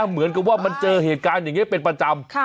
เหมือนกับว่ามันเจอเหตุการณ์อย่างนี้เป็นประจำ